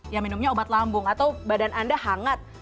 ya minumnya obat lambung atau badan anda hangat